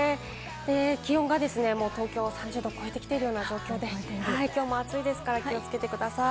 気温がですね、東京３０度を超えてきている状況で、きょうも暑いですから気をつけてください。